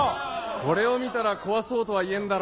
これを見たら壊そうとは言えんだろう。